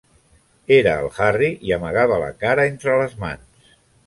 Era el Harry i amagava la cara entre les mans.